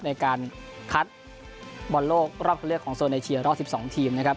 ในการคัดบอลโลกรอบเข้าเลือกของโซนเอเชียรอบ๑๒ทีมนะครับ